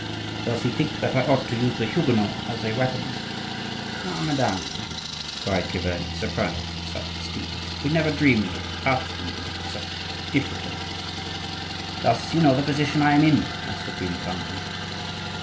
"Does he think that I ought to use the Huguenots as a weapon?" "Ah! madame," cried Chiverni, surprised at such astuteness, "we never dreamed of casting you into such difficulties." "Does he know the position I am in?" asked the queen, calmly.